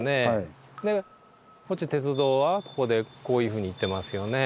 鉄道はここでこういうふうに行ってますよね。